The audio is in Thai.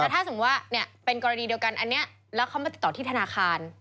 ถ้าสมมุติว่าเป็นกรณีเดียวกันอันนี้แล้วเขามาติดต่อที่ธนาคาร